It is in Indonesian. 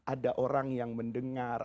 ada orang yang mendengar